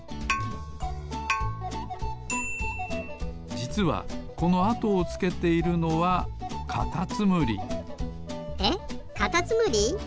じつはこのあとをつけているのはカタツムリえっカタツムリ？